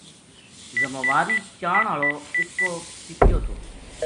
ذماواری چان ہالو اس کو پِتیو تھو